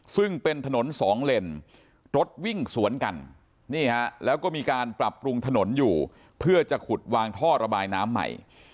ซึ่งเป็นถนนสองเลนรถวิ่งสวนกันนี่ฮะแล้วก็มีการปรับปรุงถนนอยู่เพื่อจะขุดวางท่อระบายน้ำใหม่